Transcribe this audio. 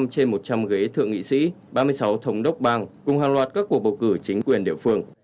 một mươi trên một trăm linh ghế thượng nghị sĩ ba mươi sáu thống đốc bang cùng hàng loạt các cuộc bầu cử chính quyền địa phương